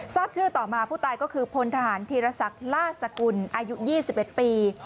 ทราบชื่อต่อมาผู้ตายก็คือพลทหารธีรศักดิ์ลาสกุลอายุ๒๑ปี